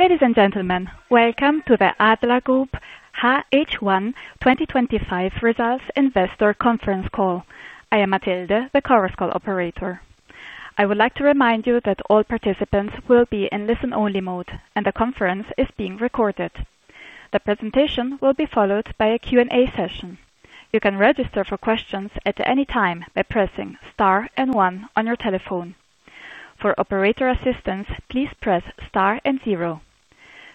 Ladies and gentlemen, welcome to the Adler Group HH1 2025 Results Investor Conference call. I am Mathilde, the Chorus Call operator. I would like to remind you that all participants will be in listen-only mode, and the conference is being recorded. The presentation will be followed by a Q&A session. You can register for questions at any time by pressing *1 on your telephone. For operator assistance, please press *0.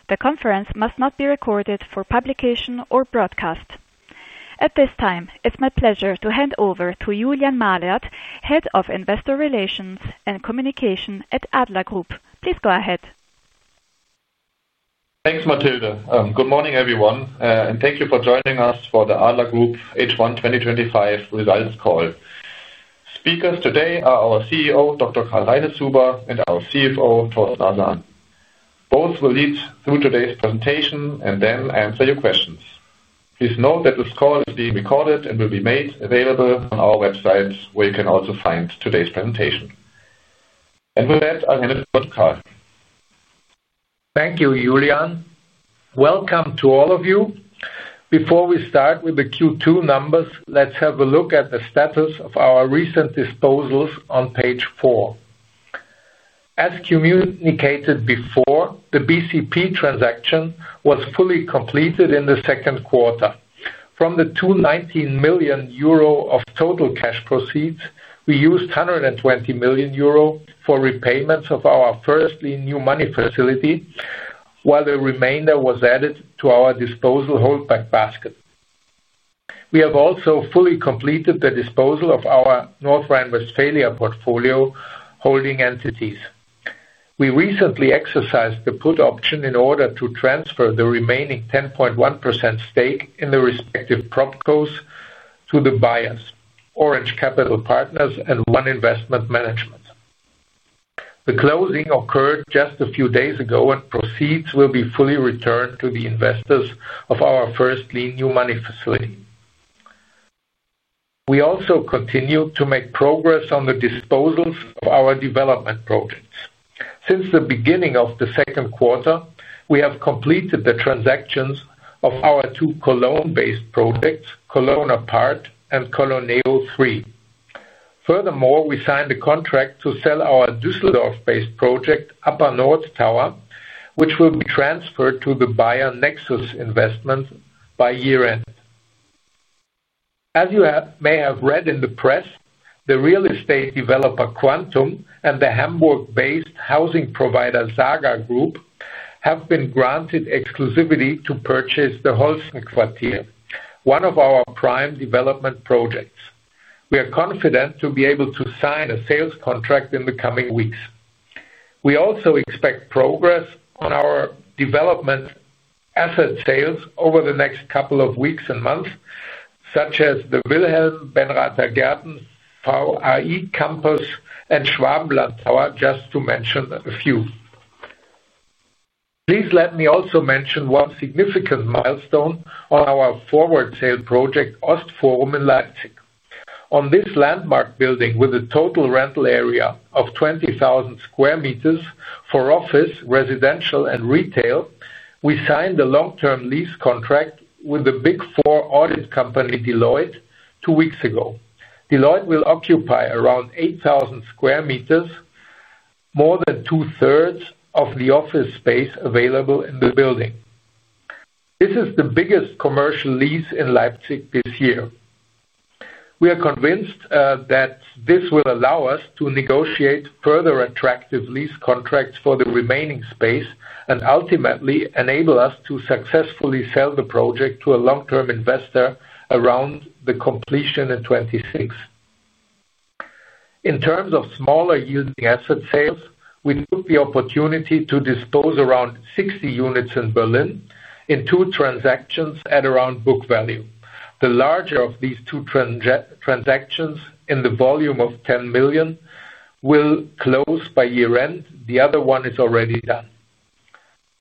The conference must not be recorded for publication or broadcast. At this time, it's my pleasure to hand over to Julian Mahlert, Head of Investor Relations and Communication at Adler Group SA. Please go ahead. Thanks, Mathilde. Good morning, everyone, and thank you for joining us for the Adler Group H1 2025 Results call. Speakers today are our CEO, Dr. Karl Reinitzhuber, and our CFO, Thorsten Arsan. Both will lead through today's presentation and then answer your questions. Please note that this call is being recorded and will be made available on our websites, where you can also find today's presentation. With that, I'll hand it over to Karl. Thank you, Julian. Welcome to all of you. Before we start with the Q2 numbers, let's have a look at the status of our recent disposals on page 4. As communicated before, the BCP transaction was fully completed in the second quarter. From the 219 million euro of total cash proceeds, we used 120 million euro for repayments of our 1L New Money Facility, while the remainder was added to our disposal holdback basket. We have also fully completed the disposal of our North Rhine-Westphalia portfolio holding entities. We recently exercised the put option in order to transfer the remaining 10.1% stake in the respective PROMCOs to the buyers, Orange Capital Partners and One Investment Management. The closing occurred just a few days ago, and proceeds will be fully returned to the investors of our 1L New Money Facility. We also continue to make progress on the disposals of our development projects. Since the beginning of the second quarter, we have completed the transactions of our two Cologne-based projects, CologneApart and Cologneo III. Furthermore, we signed a contract to sell our Düsseldorf-based project, UpperNord Tower, which will be transferred to the buyer Nexus Investments by year-end. As you may have read in the press, the real estate developer Quantum and the Hamburg-based housing provider Saga Group have been granted exclusivity to purchase the Holsten Quartier, one of our prime development projects. We are confident to be able to sign a sales contract in the coming weeks. We also expect progress on our development asset sales over the next couple of weeks and months, such as the Wilhelm, Benrather Gärten, VAI Campus, and Schwabenlandtower, just to mention a few. Please let me also mention one significant milestone on our forward sale project, Ostforum in Leipzig. On this landmark building with a total rental area of 20,000 m² for office, residential, and retail, we signed a long-term lease contract with the Big Four audit company, Deloitte, two weeks ago. Deloitte will occupy around 8,000 m², more than 2/3 of the office space available in the building. This is the biggest commercial lease in Leipzig this year. We are convinced that this will allow us to negotiate further attractive lease contracts for the remaining space and ultimately enable us to successfully sell the project to a long-term investor around the completion in 2026. In terms of smaller yielding asset sales, we took the opportunity to dispose around 60 units in Berlin in two transactions at around book value. The larger of these two transactions in the volume of 10 million will close by year-end, the other one is already done.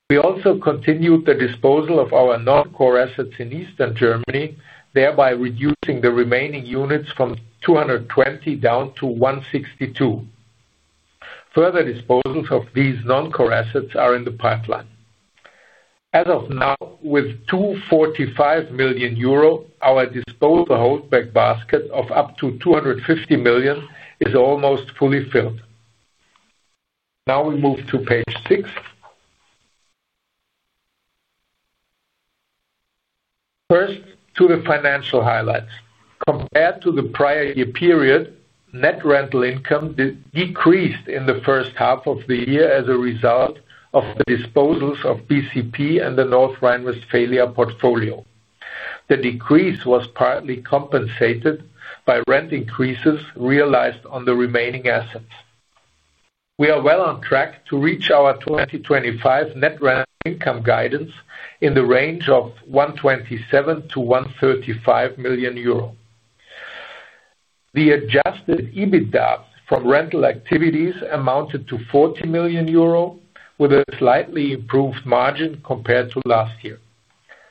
We also continued the disposal of our non-core assets in Eastern Germany, thereby reducing the remaining units from 220 down to 162. Further disposals of these non-core assets are in the pipeline. As of now, with 245 million euro, our disposal holdback basket of up to 250 million is almost fully filled. Now we move to page 6. First, to the financial highlights. Compared to the prior year period, net rental income decreased in the first half of the year as a result of the disposals of BCP and the North Rhine-Westphalia portfolio. The decrease was partly compensated by rent increases realized on the remaining assets. We are well on track to reach our 2025 net rental income guidance in the range of 127 million-135 million euro. The adjusted EBITDA from rental activities amounted to 40 million euro, with a slightly improved margin compared to last year.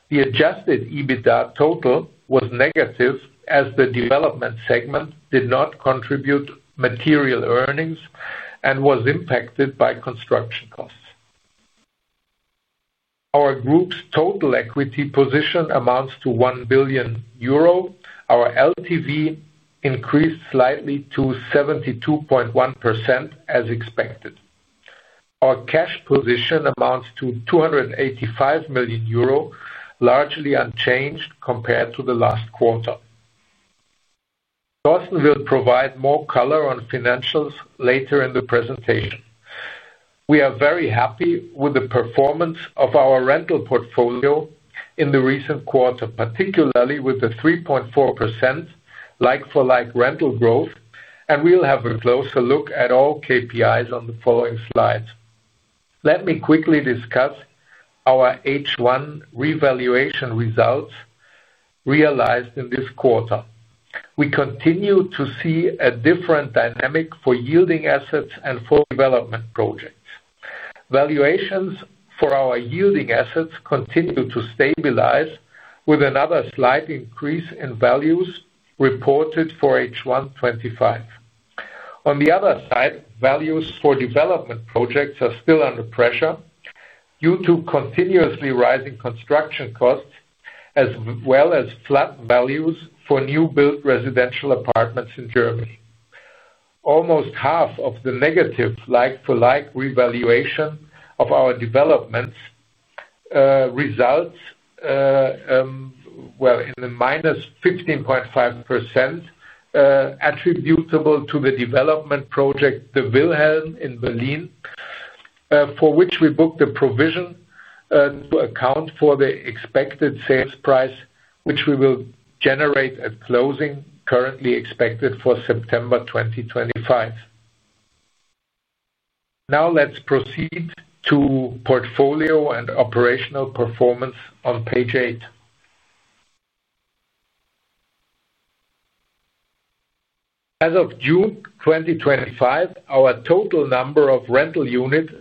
The adjusted EBITDA total was negative as the development segment did not contribute material earnings and was impacted by construction costs. Our group's total equity position amounts to 1 billion euro. Our LTV increased slightly to 72.1% as expected. Our cash position amounts to 285 million euro, largely unchanged compared to the last quarter. Thorsten will provide more color on financials later in the presentation. We are very happy with the performance of our rental portfolio in the recent quarter, particularly with the 3.4% like-for-like rental growth, and we'll have a closer look at all KPIs on the following slides. Let me quickly discuss our H1 revaluation results realized in this quarter. We continue to see a different dynamic for yielding assets and for development projects. Valuations for our yielding assets continue to stabilize with another slight increase in values reported for H1 2025. On the other side, values for development projects are still under pressure due to continuously rising construction costs, as well as flat values for new built residential apartments in Germany. Almost half of the negative like-for-like revaluation of our developments results in the -15.5% attributable to the development project, the Wilhelm in Berlin, for which we booked a provision to account for the expected sales price, which we will generate at closing, currently expected for September 2025. Now let's proceed to portfolio and operational performance on page 8. As of June 2025, our total number of rental units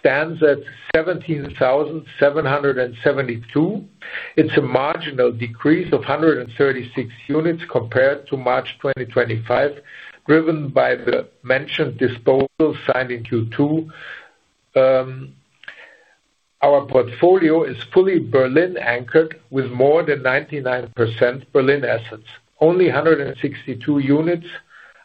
stands at 17,772. It's a marginal decrease of 136 units compared to March 2025, driven by the mentioned disposals signed in Q2. Our portfolio is fully Berlin-anchored with more than 99% Berlin assets. Only 162 units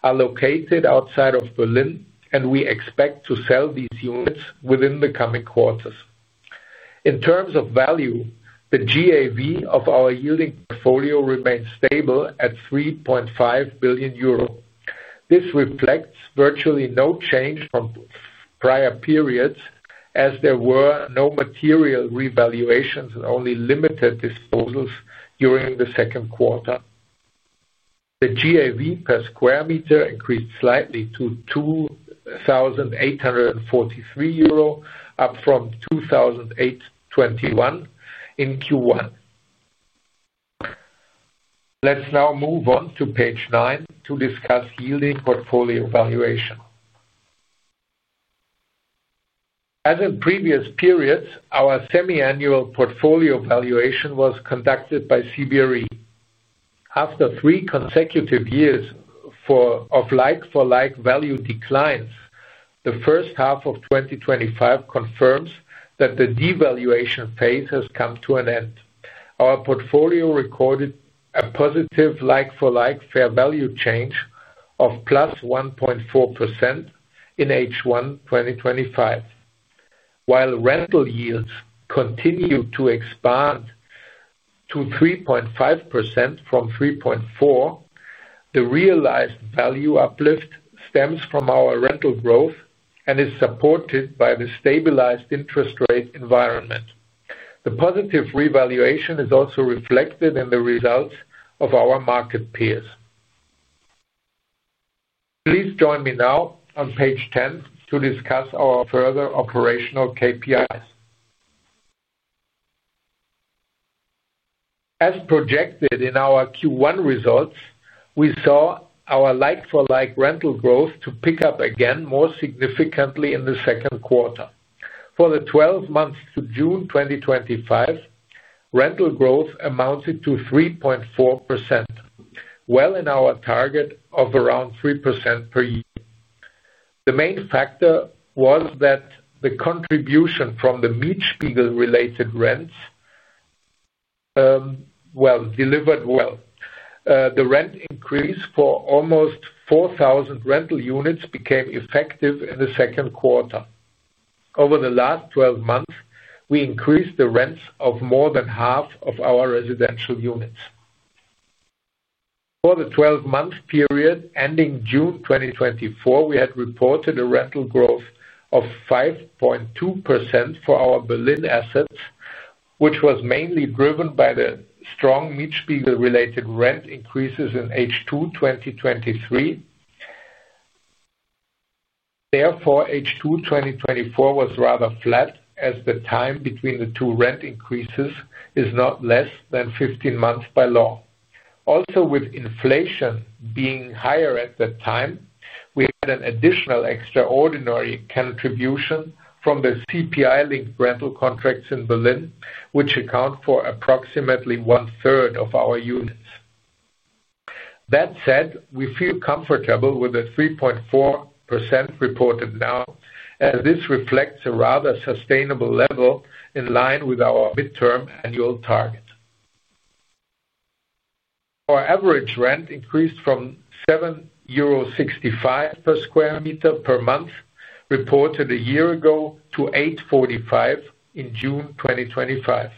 are located outside of Berlin, and we expect to sell these units within the coming quarters. In terms of value, the GAV of our yielding portfolio remains stable at 3.5 billion euro. This reflects virtually no change from prior periods as there were no material revaluations and only limited disposals during the second quarter. The GAV per square meter increased slightly to 2,843 euro, up from 2,821 in Q1. Let's now move on to page 9 to discuss yielding portfolio valuation. As in previous periods, our semi-annual portfolio valuation was conducted by CBRE. After three consecutive years of like-for-like value declines, the first half of 2025 confirms that the devaluation phase has come to an end. Our portfolio recorded a positive like-for-like fair value change of +1.4% in H1 2025. While rental yields continue to expand to 3.5% from 3.4%, the realized value uplift stems from our rental growth and is supported by the stabilized interest rate environment. The positive revaluation is also reflected in the results of our market peers. Please join me now on page 10 to discuss our further operational KPIs. As projected in our Q1 results, we saw our like-for-like rental growth to pick up again more significantly in the second quarter. For the 12 months to June 2025, rental growth amounted to 3.4%, well in our target of around 3% per year. The main factor was that the contribution from the Mietspiegel-related rents delivered well. The rent increase for almost 4,000 rental units became effective in the second quarter. Over the last 12 months, we increased the rents of more than half of our residential units. For the 12-month period ending June 2024, we had reported a rental growth of 5.2% for our Berlin assets, which was mainly driven by the strong Mietspiegel-related rent increases in H2 2023. Therefore, H2 2024 was rather flat as the time between the two rent increases is not less than 15 months by law. Also, with inflation being higher at that time, we had an additional extraordinary contribution from the CPI-linked rental contracts in Berlin, which account for approximately one-third of our units. That said, we feel comfortable with the 3.4% reported now, as this reflects a rather sustainable level in line with our midterm annual target. Our average rent increased from 7.65 euro per square meter per month reported a year ago to 8.45 in June 2025.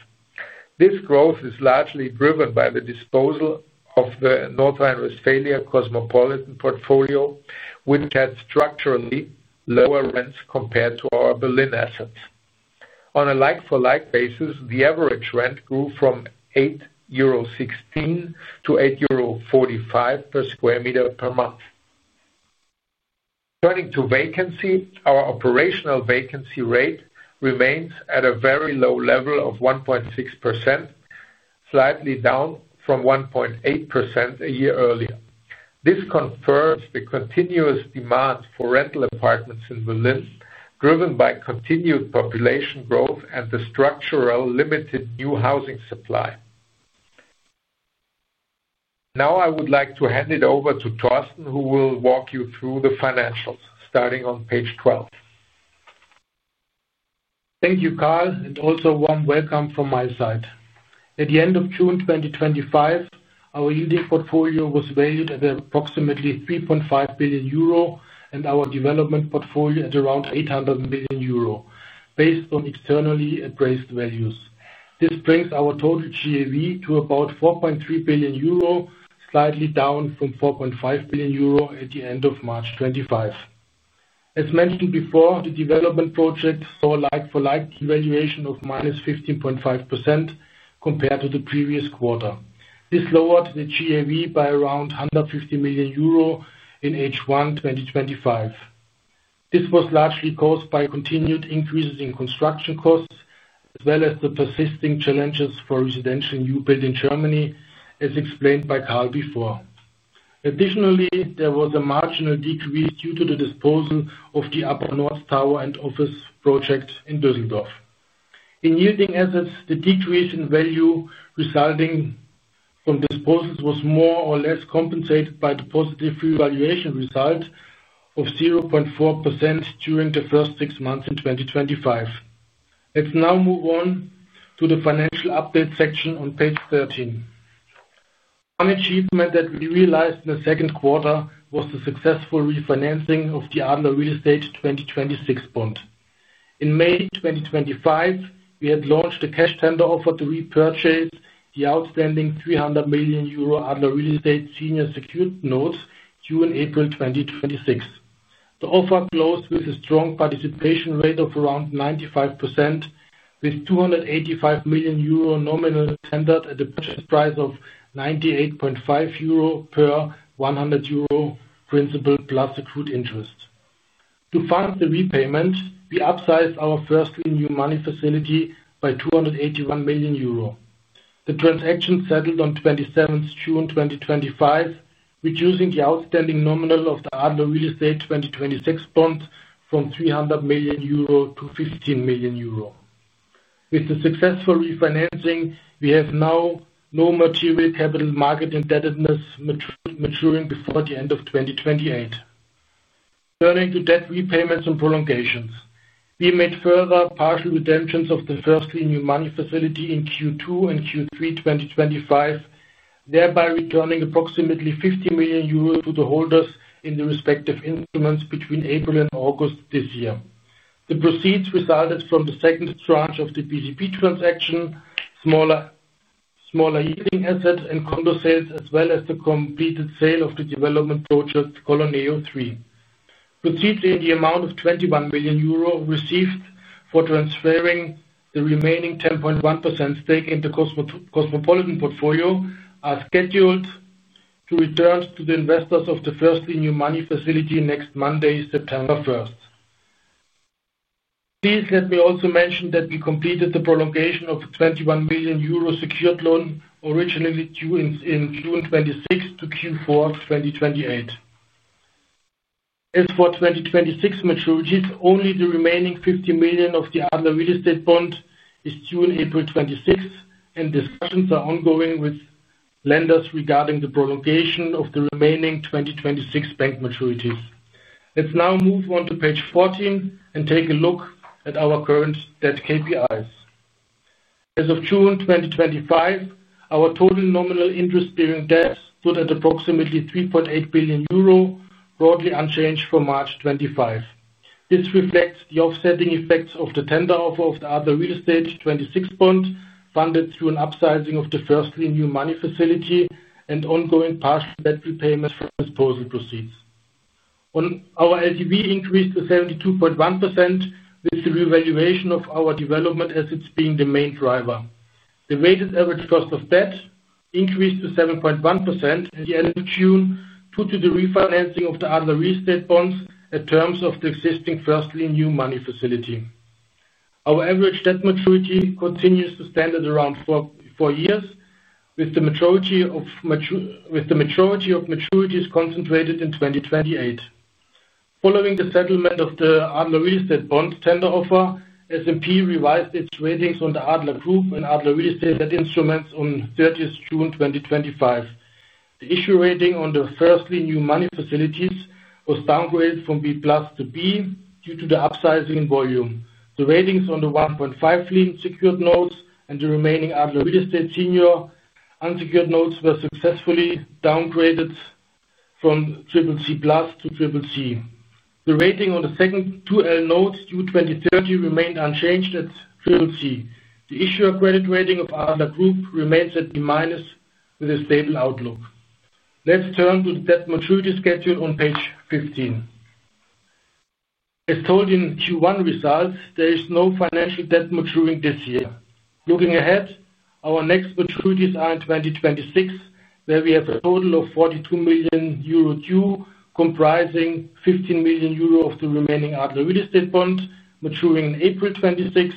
This growth is largely driven by the disposal of the North Rhine-Westphalia cosmopolitan portfolio, which had structurally lower rents compared to our Berlin assets. On a like-for-like basis, the average rent grew from 8.16 euro to 8.45 euro per square meter per month. Turning to vacancy, our operational vacancy rate remains at a very low level of 1.6%, slightly down from 1.8% a year earlier. This confirms the continuous demand for rental apartments in Berlin, driven by continued population growth and the structurally limited new housing supply. Now I would like to hand it over to Thorsten, who will walk you through the financials, starting on page 12. Thank you, Karl, and also a warm welcome from my side. At the end of June 2025, our yielding portfolio was valued at approximately 3.5 billion euro and our development portfolio at around 800 million euro, based on externally appraised values. This brings our total GAV to about 4.3 billion euro, slightly down from 4.5 billion euro at the end of March 2025. As mentioned before, the development project saw a like-for-like valuation of -15.5% compared to the previous quarter. This lowered the GAV by around 150 million euro in H1 2025. This was largely caused by continued increases in construction costs, as well as the persisting challenges for residential new builds in Germany, as explained by Karl before. Additionally, there was a marginal decrease due to the disposal of the UpperNord Tower and office project in Düsseldorf. In yielding assets, the decrease in value resulting from disposals was more or less compensated by the positive revaluation result of 0.4% during the first six months in 2025. Let's now move on to the financial update section on page 13. One achievement that we realized in the second quarter was the successful refinancing of the Adler Real Estate 2026 bond. In May 2025, we had launched a cash tender offer to repurchase the outstanding 300 million euro Adler Real Estate senior secured notes due in April 2026. The offer closed with a strong participation rate of around 95%, with 285 million euro nominal tendered at a purchase price of 98.5 euro per 100 euro principal plus accrued interest. To fund the repayment, we upsized our 1L New Money Facility by 281 million euro. The transaction settled on 27th June, 2025, reducing the outstanding nominal of the Adler Real Estate 2026 bond from 300 million euro to 15 million euro. With the successful refinancing, we have now no material capital market indebtedness maturing before the end of 2028. Turning to debt repayments and prolongations, we made further partial redemptions of the 1L New Money Facility in Q2 and Q3 2025, thereby returning approximately 50 million euros to the holders in the respective instruments between April and August this year. The proceeds resulted from the second tranche of the BCP transaction, smaller yielding assets and condo sales, as well as the completed sale of the development project, Cologneo III. Proceeds in the amount of 21 million euro received for transferring the remaining 10.1% stake in the Cosmopolitan portfolio are scheduled to return to the investors of the 1L New Money Facility next Monday, September 1st. Please let me also mention that we completed the prolongation of the 21 million euro secured loan originally due in June 2026 to Q4 2028. As for 2026 maturities, only the remaining 50 million of the Adler Real Estate bond is due in April 2026, and discussions are ongoing with lenders regarding the prolongation of the remaining 2026 bank maturities. Let's now move on to page 14 and take a look at our current debt KPIs. As of June 2025, our total nominal interest-bearing debt stood at approximately 3.8 billion euro, broadly unchanged from March 2025. This reflects the offsetting effects of the tender offer of the Adler Real Estate 2026 bond funded through an upsizing of the 1L New Money Facility and ongoing partial debt repayment from disposal proceeds. Our LTV increased to 72.1%, with the revaluation of our development assets being the main driver. The weighted average cost of debt increased to 7.1% at the end of June due to the refinancing of the Adler Real Estate bonds at terms of the existing 1L New Money Facility. Our average debt maturity continues to stand at around four years, with the majority of maturities concentrated in 2028. Following the settlement of the Adler Real Estate bond tender offer, S&P revised its ratings on the Adler Group and Adler Real Estate debt instruments on 30th June, 2025. The issue rating on the 1L New Money Facilities was downgraded from B+ to B due to the upsizing in volume. The ratings on the 1.5 million secured notes and the remaining Adler Real Estate senior unsecured notes were successfully downgraded from CCC+ to CCC. The rating on the second 2L notes due 2030 remained unchanged at CCC. The issuer accredited rating of Adler Group remains at D- with a stable outlook. Let's turn to the debt maturity schedule on page 15. As told in Q1 results, there is no financial debt maturing this year. Looking ahead, our next maturities are in 2026, where we have a total of 42 million euro due comprising 15 million euro of the remaining Adler Real Estate bond maturing in April 2026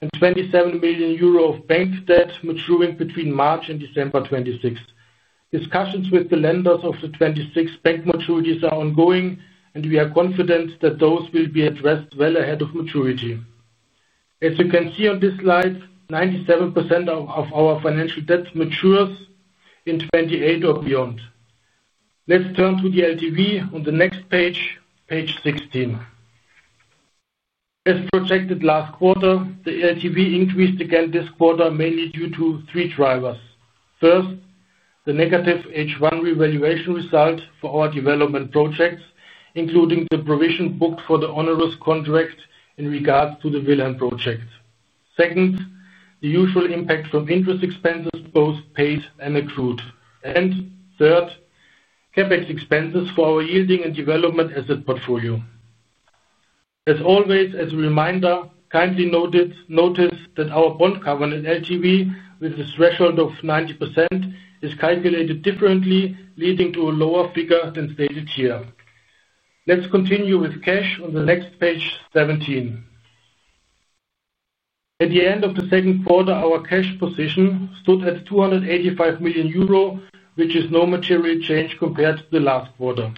and 27 million euro of bank debt maturing between March and December 2026. Discussions with the lenders of the 2026 bank maturities are ongoing, and we are confident that those will be addressed well ahead of maturity. As you can see on this slide, 97% of our financial debt matures in 2028 or beyond. Let's turn to the LTV on the next page, page 16. As projected last quarter, the LTV increased again this quarter mainly due to three drivers. First, the negative H1 revaluation result for our development projects, including the provision booked for the onerous contract in regards to the Wilhelm project. Second, the usual impact from interest expenses, both paid and accrued. Third, CapEx expenses for our yielding and development asset portfolio. As always, as a reminder, kindly notice that our bond-covered LTV with a threshold of 90% is calculated differently, leading to a lower figure than stated here. Let's continue with cash on the next page, 17. At the end of the second quarter, our cash position stood at 285 million euro, which is no material change compared to the last quarter.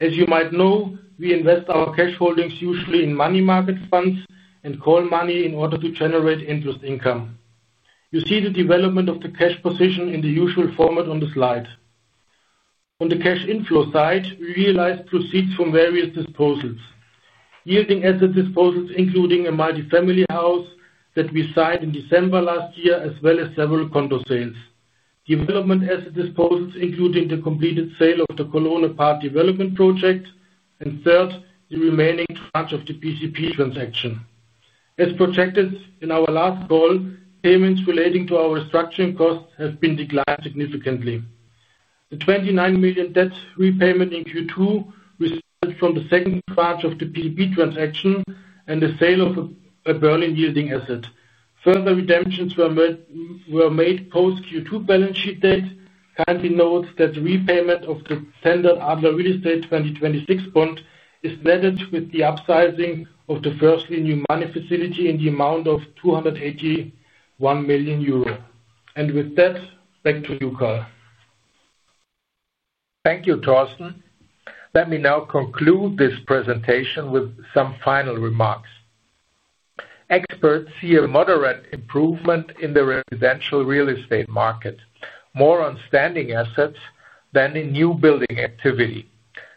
As you might know, we invest our cash holdings usually in money market funds and call money in order to generate interest income. You see the development of the cash position in the usual format on the slide. On the cash inflow side, we realized proceeds from various disposals. Yielding asset disposals, including a multifamily house that we signed in December last year, as well as several condo sales. Development asset disposals, including the completed sale of the Cologne Apart development project, and third, the remaining tranche of the BCP transaction. As projected in our last call, payments relating to our restructuring costs have been declined significantly. The 29 million debt repayment in Q2 resulted from the second tranche of the BCP transaction and the sale of a Berlin yielding asset. Further redemptions were made post-Q2 balance sheet date. Kindly note that the repayment of the tendered Adler Real Estate 2026 bond is netted with the upsizing of the 1L New Money Facility in the amount of 281 million euro. With that, back to you, Karl. Thank you, Thorsten. Let me now conclude this presentation with some final remarks. Experts see a moderate improvement in the residential real estate market, more on standing assets than in new building activity.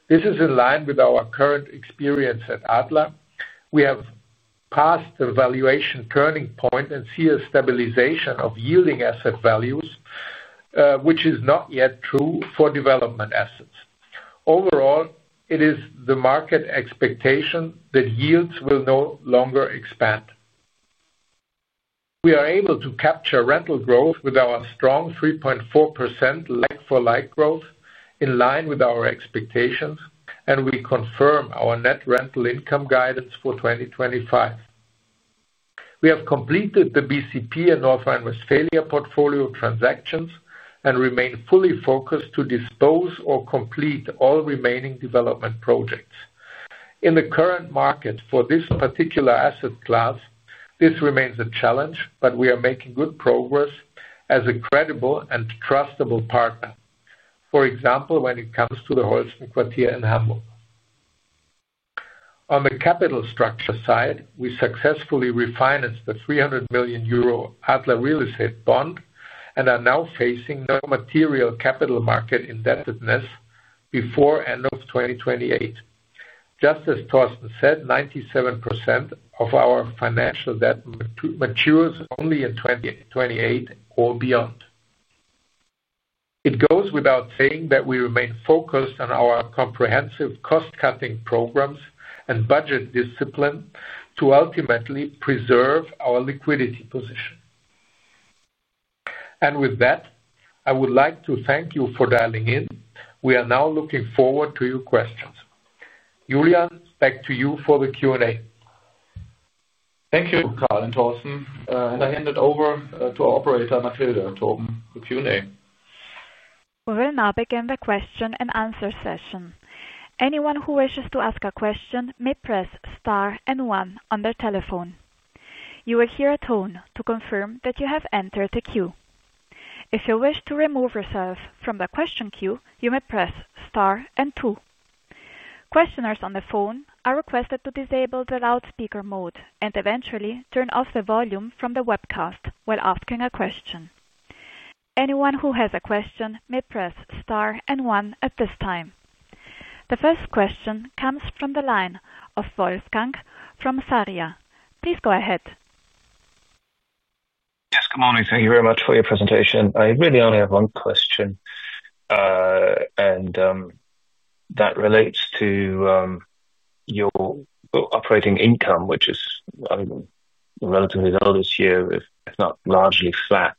This is in line with our current experience at Adler. We have passed the valuation turning point and see a stabilization of yielding asset values, which is not yet true for development assets. Overall, it is the market expectation that yields will no longer expand. We are able to capture rental growth with our strong 3.4% like-for-like growth in line with our expectations, and we confirm our net rental income guidance for 2025. We have completed the BCP and North Rhine-Westphalia portfolio transactions and remain fully focused to dispose or complete all remaining development projects. In the current market for this particular asset class, this remains a challenge, but we are making good progress as a credible and trustable partner, for example, when it comes to the Holsten Quartier in Hamburg. On the capital structure side, we successfully refinanced the 300 million euro Adler Real Estate bond and are now facing no material capital market indebtedness before the end of 2028. Just as Thorsten said, 97% of our financial debt matures only in 2028 or beyond. It goes without saying that we remain focused on our comprehensive cost-cutting programs and budget discipline to ultimately preserve our liquidity position. With that, I would like to thank you for dialing in. We are now looking forward to your questions. Julian, back to you for the Q&A. Thank you, Karl and Thorsten. I hand it over to our operator, Mathilde, to open the Q&A. We will now begin the question-and-answer session. Anyone who wishes to ask a question may press star and one on their telephone. You will hear a tone to confirm that you have entered the queue. If you wish to remove yourself from the question queue, you may press star and two. Questioners on the phone are requested to disable the loudspeaker mode and eventually turn off the volume from the webcast while asking a question. Anyone who has a question may press star and one at this time. The first question comes from the line of Wolfgang from Sarria. Please go ahead. Yes, good morning. Thank you very much for your presentation. I really only have one question, and that relates to your operating income, which is relatively low this year, if not largely flat.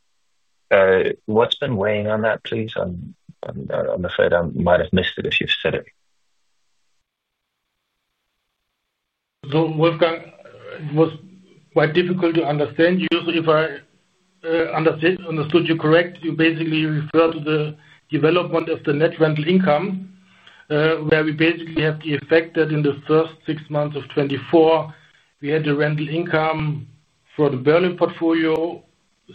What's been weighing on that, please? I'm afraid I might have missed it if you've said it. Wolfgang, it was quite difficult to understand you. If I understood you correctly, you basically refer to the development of the net rental income, where we basically have the effect that in the first six months of 2024, we had the rental income for the Berlin portfolio,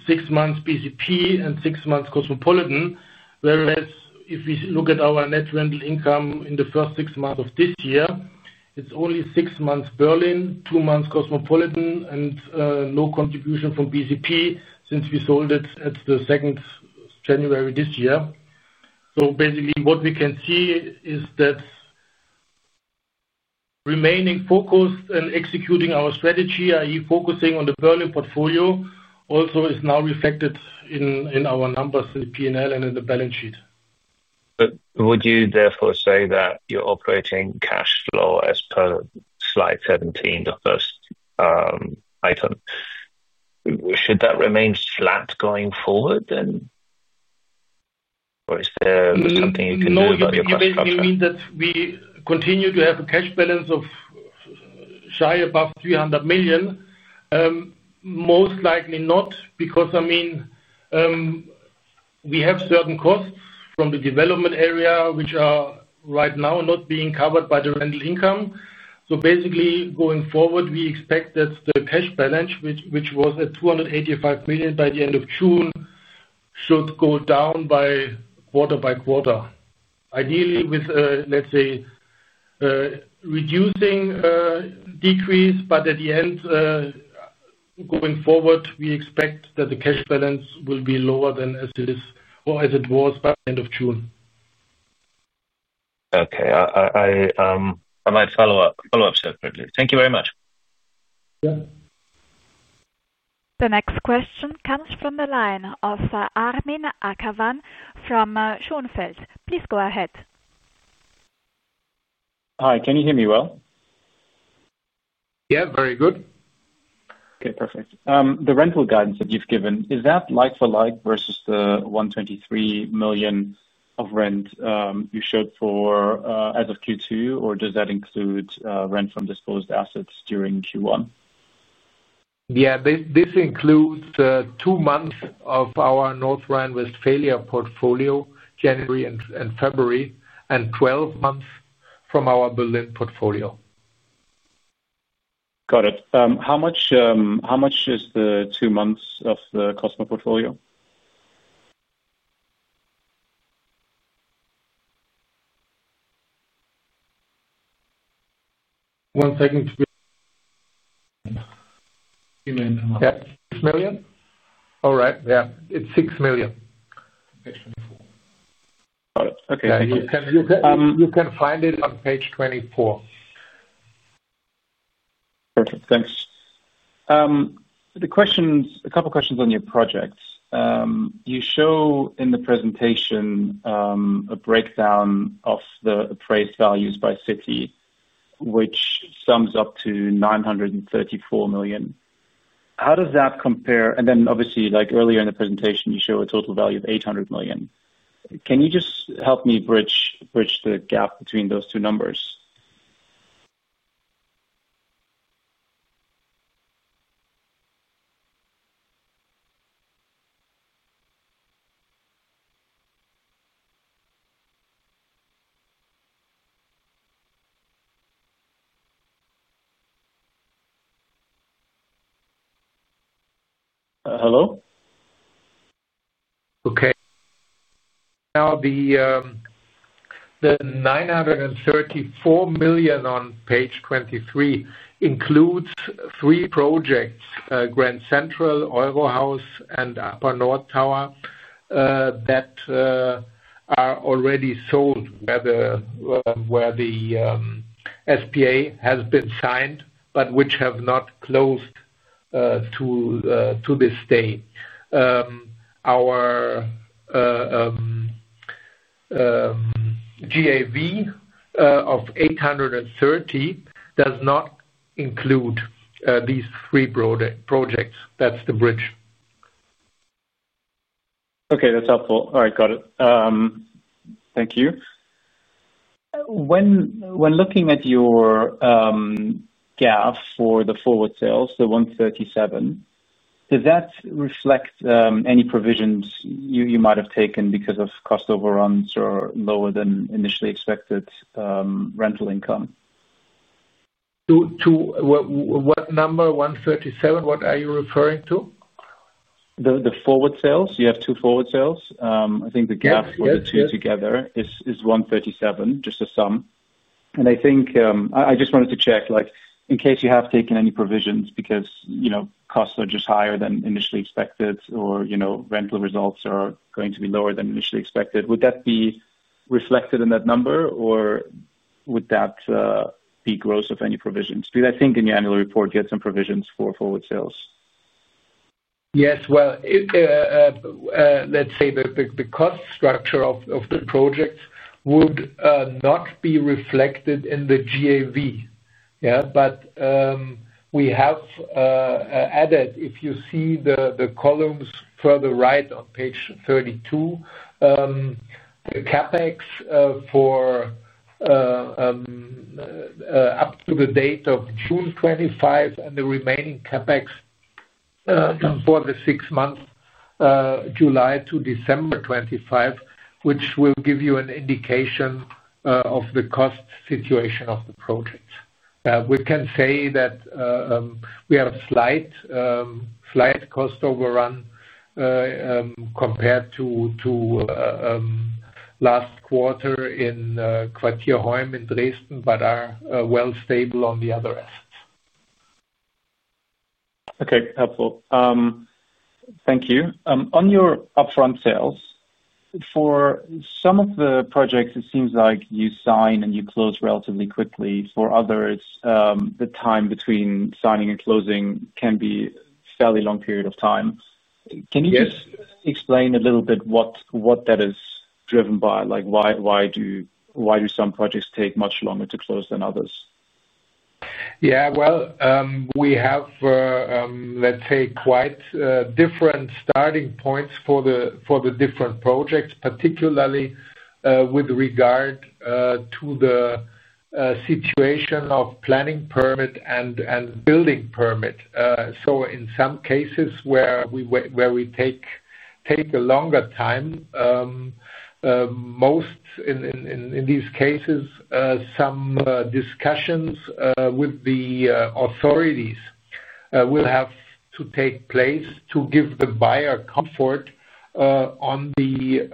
six months BCP, and six months Cosmopolitan. If we look at our net rental income in the first six months of this year, it's only six months Berlin, two months Cosmopolitan, and no contribution from BCP since we sold it at the 2nd of January this year. What we can see is that remaining focused and executing our strategy, i.e., focusing on the Berlin portfolio, also is now reflected in our numbers in the P&L and in the balance sheet. Would you therefore say that your operating cash flow, as per slide 17 of this item, should that remain flat going forward? Is there something you can do about your cash cutoff? I mean, that we continue to have a cash balance of just above 300 million. Most likely not, because we have certain costs from the development area, which are right now not being covered by the rental income. Basically, going forward, we expect that the cash balance, which was at 285 million by the end of June, should go down quarter by quarter. Ideally, with, let's say, a reducing decrease, but at the end, going forward, we expect that the cash balance will be lower than as it is or as it was by the end of June. Okay, I might follow up. Follow ups, definitely. Thank you very much. The next question comes from the line of Armin Akhavan from Schoenfeld. Please go ahead. Hi, can you hear me well? Yeah, very good. Okay, perfect. The rental guidance that you've given, is that like-for-like versus the 123 million of rent you showed for as of Q2, or does that include rent from disposed assets during Q1? Yeah, this includes two months of our North Rhine-Westphalia portfolio, January and February, and 12 months from our Berlin portfolio. Got it. How much is the two months of the Cosmo portfolio? One second. Yeah. 6 Million? All right. Yeah, it's 6 million. Okay, 24. You can find it on page 24. Perfect. Thanks. The questions, a couple of questions on your projects. You show in the presentation a breakdown of the appraised values by city, which sums up to 934 million. How does that compare? Earlier in the presentation, you show a total value of 800 million. Can you just help me bridge the gap between those two numbers? Hello? Okay. Now, the 934 million on page 23 includes three projects: Grand Central, Eurohaus, and UpperNord Tower that are already sold, where the SPA has been signed, but which have not closed to this day. Our GAV of 830 million does not include these three projects. That's the bridge. Okay, that's helpful. All right, got it. Thank you. When looking at your gap for the forward sales, the 137 million, does that reflect any provisions you might have taken because of cost overruns or lower than initially expected rental income? What number? 137 million? What are you referring to? The forward sales. You have two forward sales. I think the GAV for the two together is 137 million, just a sum. I think I just wanted to check, like in case you have taken any provisions because, you know, costs are just higher than initially expected or, you know, rental results are going to be lower than initially expected. Would that be reflected in that number, or would that be gross of any provisions? I think in your annual report, you had some provisions for forward sales. Yes. Let's say the cost structure of the projects would not be reflected in the GAV. Yeah, but we have added, if you see the columns further right on page 32, the CapEx for up to the date of June 2025 and the remaining CapEx for the six months, July to December 2025, which will give you an indication of the cost situation of the projects. We can say that we had a slight cost overrun compared to last quarter in Quartier Hoym in Dresden, but are well stable on the other assets. Okay, helpful. Thank you. On your upfront sales, for some of the projects, it seems like you sign and you close relatively quickly. For others, the time between signing and closing can be a fairly long period of time. Can you explain a little bit what that is driven by? Like why do some projects take much longer to close than others? Yeah, we have, let's say, quite different starting points for the different projects, particularly with regard to the situation of planning permit and building permit. In some cases where we take a longer time, most in these cases, some discussions with the authorities will have to take place to give the buyer comfort on the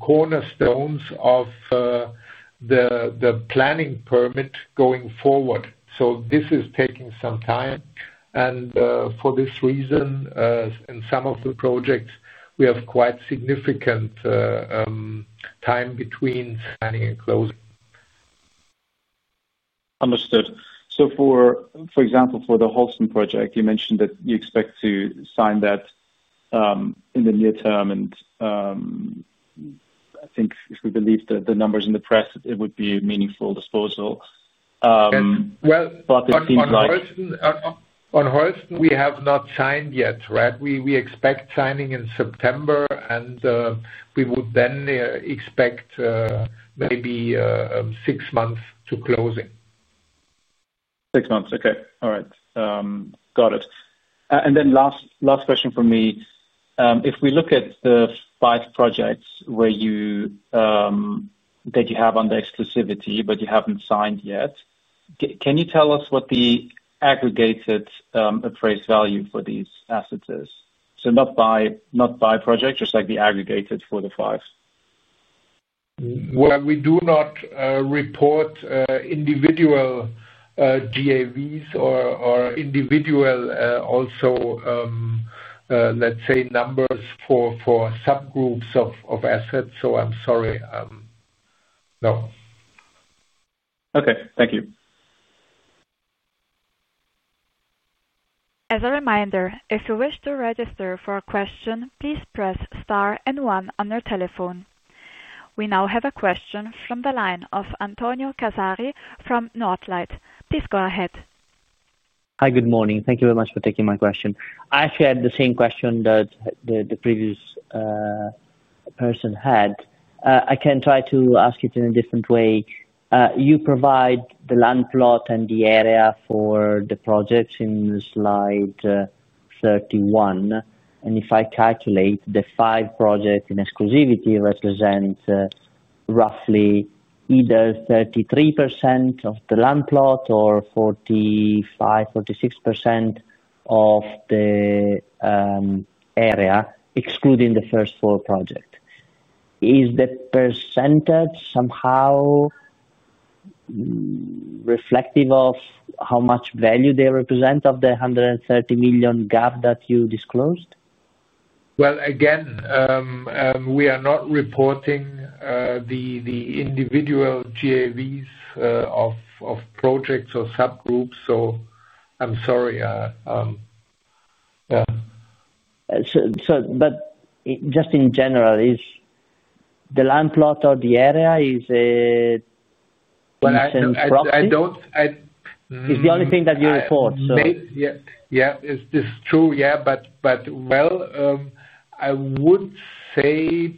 cornerstones of the planning permit going forward. This is taking some time. For this reason, in some of the projects, we have quite significant time between signing and closing. Understood. For example, for the Holsten project, you mentioned that you expect to sign that in the near term. I think if we believe the numbers in the press, it would be a meaningful disposal. On Holsten, we have not signed yet, right? We expect signing in September, and we would then expect maybe six months to close it. Six months. Okay. All right. Got it. Last question from me. If we look at the five projects that you have under exclusivity, but you haven't signed yet, can you tell us what the aggregated appraised value for these assets is? Not by project, just the aggregated for the five. We do not report individual GAVs or individual, also, let's say, numbers for subgroups of assets. I'm sorry. Okay, thank you. As a reminder, if you wish to register for a question, please press star and one on your telephone. We now have a question from the line of Antonio Casari from Northlight. Please go ahead. Hi, good morning. Thank you very much for taking my question. I actually had the same question that the previous person had. I can try to ask it in a different way. You provide the land plot and the area for the projects in slide 31. If I calculate, the five projects in exclusivity represent roughly either 33% of the land plot or 45%, 46% of the area, excluding the first four projects. Is the percentage somehow reflective of how much value they represent of the 130 million gap that you disclosed? Again, we are not reporting the individual GAVs of projects or subgroups. I'm sorry. In general, is the land plot or the area a property? I don't. It's the only thing that you report. Yeah, it's true, yeah. I would say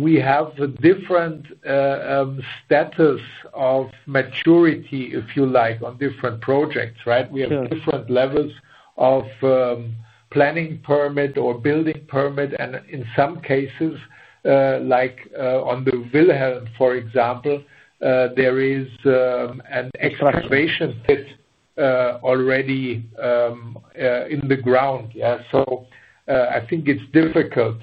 we have a different status of maturity, if you like, on different projects, right? We have different levels of planning permit or building permit, and in some cases, like on the Wilhelm, for example, there is an excavation pit already in the ground. I think it's difficult,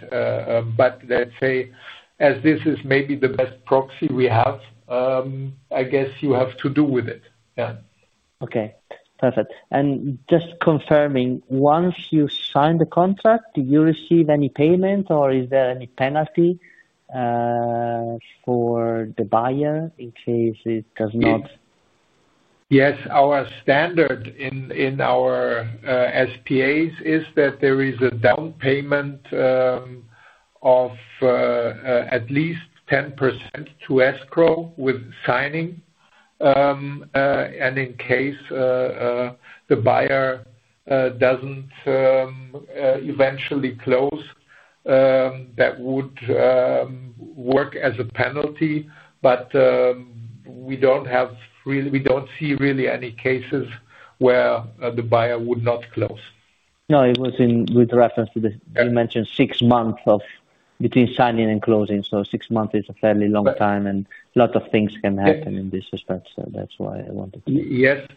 but let's say, as this is maybe the best proxy we have, I guess you have to do with it. Okay. Perfect. Just confirming, once you sign the contract, do you receive any payment, or is there any penalty for the buyer in case it does not? Yes. Our standard in our SPAs is that there is a down payment of at least 10% to escrow with signing. In case the buyer doesn't eventually close, that would work as a penalty. We don't see really any cases where the buyer would not close. No, it was in reference to the, you mentioned six months between signing and closing. Six months is a fairly long time, and a lot of things can happen in this respect. That's why I wanted to. Yes.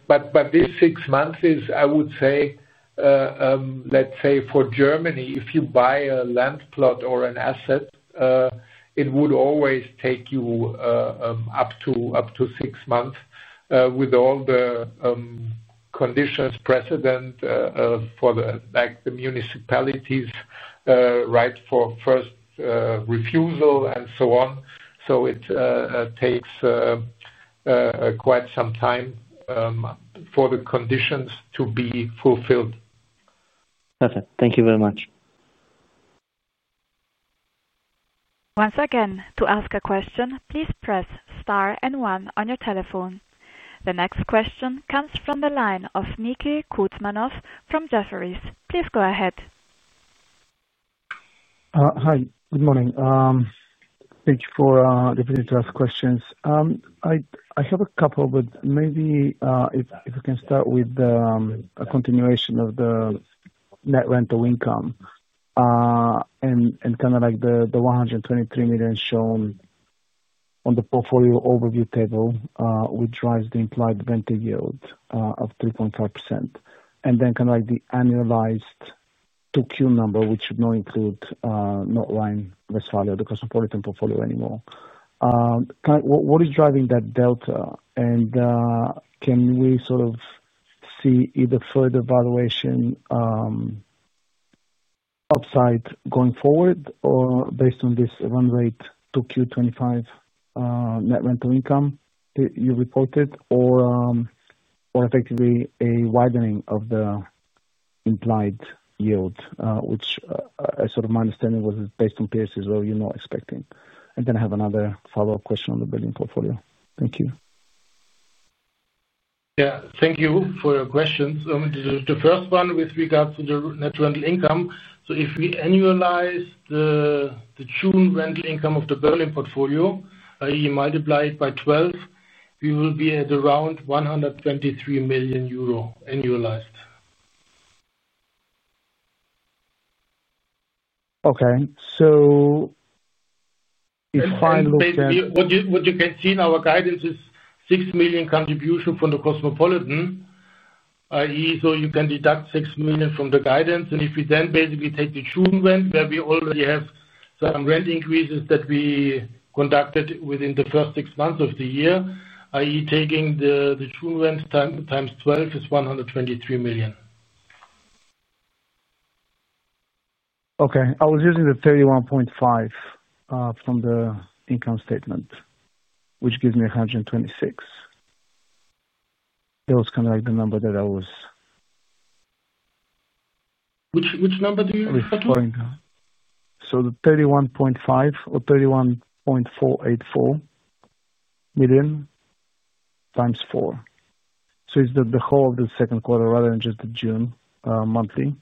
This six months is, I would say, let's say for Germany, if you buy a land plot or an asset, it would always take you up to six months with all the conditions precedent for the municipalities for first refusal and so on. It takes quite some time for the conditions to be fulfilled. Perfect. Thank you very much. Once again, to ask a question, please press star and one on your telephone. The next question comes from the line of Niki Kouzmanov from Jefferies. Please go ahead. Hi. Good morning. Thank you for the ability to ask questions. I have a couple, but maybe if I can start with a continuation of the net rental income and kind of like the 123 million shown on the portfolio overview table, which drives the implied rental yield of 3.5%. Then kind of like the annualized TQ number, which would not include North Rhine-Westphalia or the Cosmopolitan portfolio anymore. What is driving that delta? Can we sort of see either further valuation upside going forward or, based on this run rate to Q2 2025 net rental income that you reported, or effectively a widening of the implied yield, which is sort of my understanding was based on PACs where you're not expecting. I have another follow-up question on the building portfolio. Thank you. Thank you for your questions. The first one with regards to the net rental income. If we annualize the June rental income of the Berlin portfolio, i.e., multiply it by 12, we will be at around 123 million euro annualized. Okay, if I look at. What you can see in our guidance is a 6 million contribution from the Cosmopolitan, i.e., you can deduct 6 million from the guidance. If we then basically take the June rent, where we already have some rent increases that we conducted within the first six months of the year, i.e., taking the June rent times 12 is 123 million. Okay, I was using the 31.5 million from the income statement, which gives me 126 million. That was kind of like the number that I was. Which number do you refer to? The 31.5 million, or 31.484 million x 4. It's the whole of the second quarter rather than just the June monthly.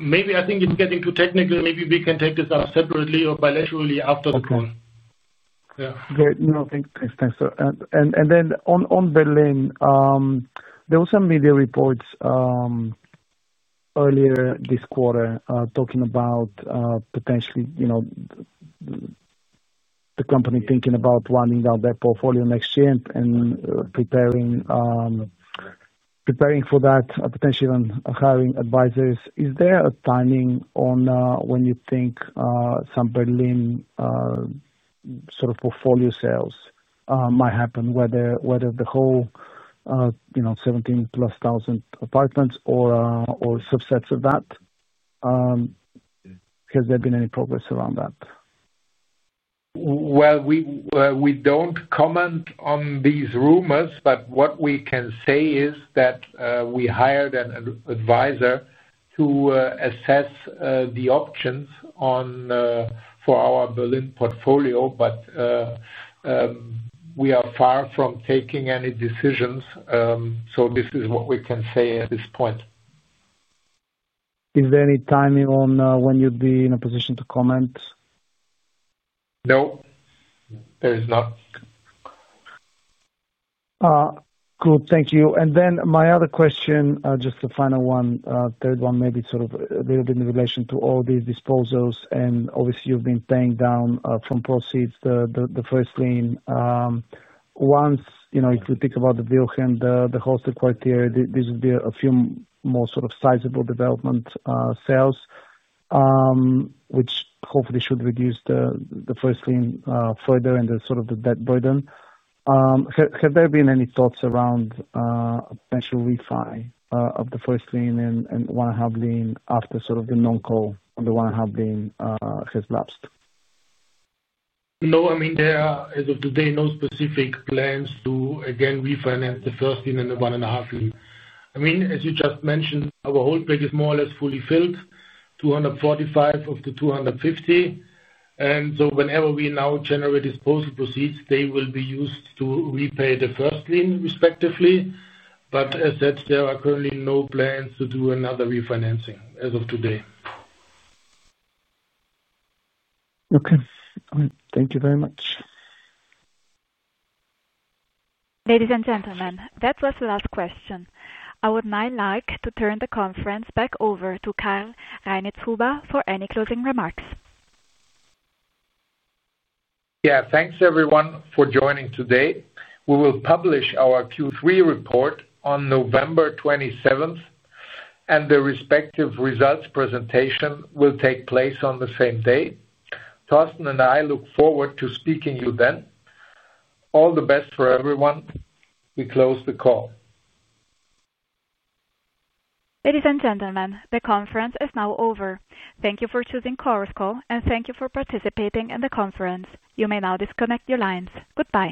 Maybe I think it's getting too technical. Maybe we can take this out separately or bilaterally after the call. Okay. Great. No, thanks. Thanks, sir. On Berlin, there were some media reports earlier this quarter talking about potentially, you know, the company thinking about running out their portfolio next year and preparing for that, potentially even hiring advisors. Is there a timing on when you think some Berlin sort of portfolio sales might happen, whether the whole, you know, 17,000+ apartments or subsets of that? Has there been any progress around that? We don't comment on these rumors, but what we can say is that we hired an advisor to assess the options for our Berlin portfolio, and we are far from taking any decisions. This is what we can say at this point. Is there any timing on when you'd be in a position to comment? No, there is not. Thank you. My other question, just the final one, third one, maybe sort of a little bit in relation to all these disposals. Obviously, you've been paying down from proceeds the first lien. If you think about the Wilhelm, the Holsten Quartier, these would be a few more sort of sizable development sales, which hopefully should reduce the first lien further and the sort of the debt burden. Have there been any thoughts around potential refi of the first lien and one-and-a-half lien after the non-call on the one-and-a-half lien has lapsed? No. I mean, there are, as of today, no specific plans to again refinance the first lien and the one-and-a-half lien. I mean, as you just mentioned, our whole peg is more or less fully filled, 245 million of the 250 million. Whenever we now generate disposal proceeds, they will be used to repay the first lien, respectively. As said, there are currently no plans to do another refinancing as of today. Okay. All right. Thank you very much. Ladies and gentlemen, that was the last question. I would now like to turn the conference back over to Karl Reinitzhuber for any closing remarks. Yeah. Thanks, everyone, for joining today. We will publish our Q3 report on November 27, and the respective results presentation will take place on the same date. Thorsten and I look forward to speaking to you then. All the best for everyone. We close the call. Ladies and gentlemen, the conference is now over. Thank you for choosing Coursecall, and thank you for participating in the conference. You may now disconnect your lines. Goodbye.